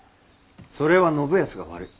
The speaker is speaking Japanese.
それは信康が悪い。